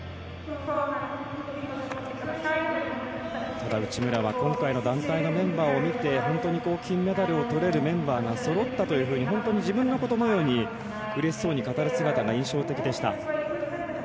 ただ、内村は今回の団体のメンバーを見て本当に金メダルをとれるメンバーがそろったというふうに自分のことのようにうれしそうに語る姿が印象的でした。